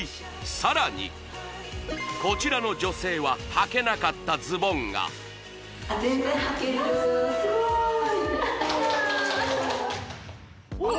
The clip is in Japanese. さらにこちらの女性ははけなかったズボンがわっ！